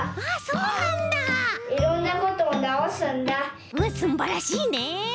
うわすんばらしいね。